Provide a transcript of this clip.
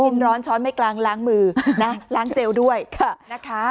มร้อนช้อนไม่กลางล้างมือนะล้างเจลด้วยนะคะ